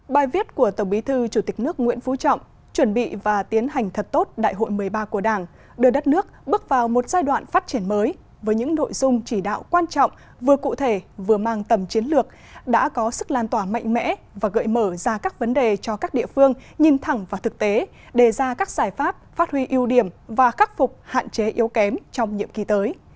bài viết của tổng bí thư chủ tịch nước nguyễn phú trọng chuẩn bị và tiến hành thật tốt đại hội một mươi ba của đảng đưa đất nước bước vào một giai đoạn phát triển mới với những nội dung chỉ đạo quan trọng vừa cụ thể vừa mang tầm chiến lược đã có sức lan tỏa mạnh mẽ và gợi mở ra các vấn đề cho các địa phương nhìn thẳng và thực tế đề ra các giải pháp phát huy ưu điểm và cắt phục hạn chế yếu kém trong nhiệm kỳ tới